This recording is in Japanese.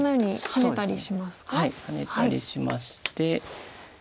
ハネたりしまして。